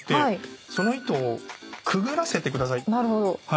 なるほど。